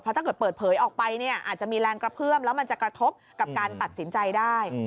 ถ้าเกิดเปิดเผยออกไปเนี่ยอาจจะมีแรงกระเพื่อมแล้วมันจะกระทบกับการตัดสินใจได้